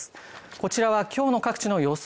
こちらはきょうの各地の予想